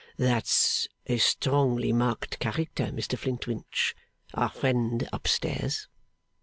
'That's a strongly marked character, Mr Flintwinch, our friend up stairs.